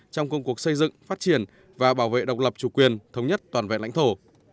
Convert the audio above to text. trong công cuộc xây dựng phát triển và bảo vệ độc lập chủ quyền thống nhất toàn vẹn lãnh thổ